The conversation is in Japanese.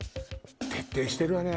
徹底してるわね